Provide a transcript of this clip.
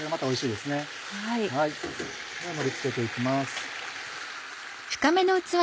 では盛り付けて行きます。